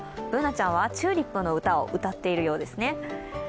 Ｂｏｏｎａちゃんはチューリップの歌を歌っているようですね。